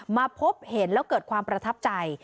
มาพบเห็นแล้วเกิดความประทับใจ